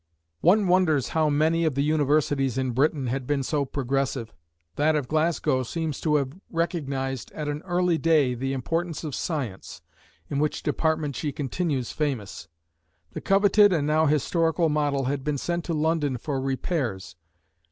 One wonders how many of the universities in Britain had been so progressive. That of Glasgow seems to have recognised at an early day the importance of science, in which department she continues famous. The coveted and now historical model had been sent to London for repairs.